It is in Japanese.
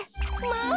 まあ！